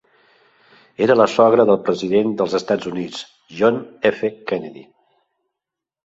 Era la sogra del president dels Estats Units, John F. Kennedy.